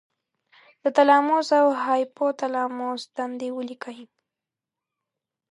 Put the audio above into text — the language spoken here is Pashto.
د تلاموس او هایپو تلاموس دندې ولیکئ.